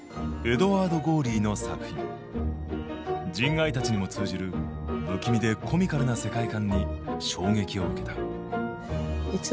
ＺＩＮＧＡＩたちにも通じる不気味でコミカルな世界観に衝撃を受けた。